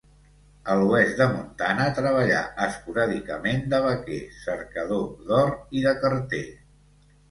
A l'oest de Montana treballà esporàdicament de vaquer, cercador d'or i de carter.